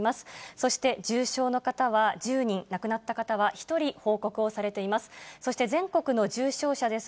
そして重症の方は１０人、亡くなった方は１人報告をされています。